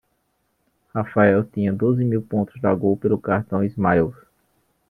Rafael tinha doze mil pontos da Gol pelo cartão Smiles.